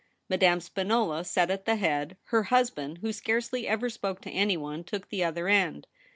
Madame Spinola sat at the head. Her husband, who scarcely ever spoke to anyone, took the other end.